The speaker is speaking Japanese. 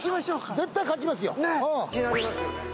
絶対勝ちますよ